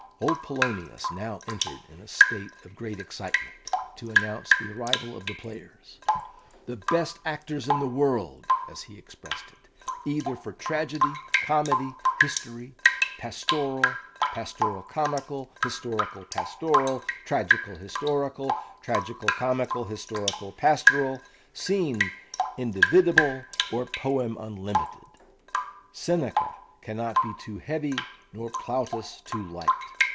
Old Polonius now entered in a state of great excitement to announce the arrival of the players. "The best actors in the world," as he expressed it, "either for tragedy, comedy, history, pastoral, pastoral comical, historical pastoral, tragical historical, tragical comical historical pastoral, scene individable, or poem unlimited; Seneca cannot be too heavy, nor Plautus too light.